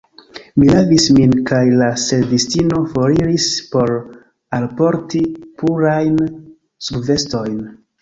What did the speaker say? Mi lavis min kaj la servistino foriris por alporti purajn subvestojn.